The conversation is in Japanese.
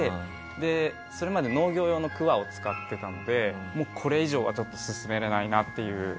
それまで農業用のくわを使っていたのでもうこれ以上はちょっと進められないなっていう。